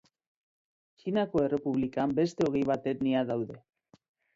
Txinako Errepublikan beste hogei bat etnia daude.